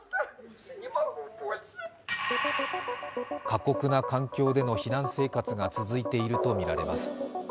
過酷な環境での避難生活が続いているとみられます。